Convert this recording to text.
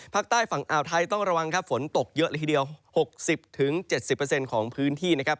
ภาคใต้ฝั่งอ่าวไทยต้องระวังครับฝนตกเยอะเลยทีเดียว๖๐๗๐ของพื้นที่นะครับ